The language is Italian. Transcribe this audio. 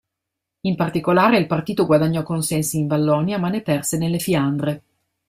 In particolare, il partito guadagnò consensi in Vallonia ma ne perse nelle Fiandre.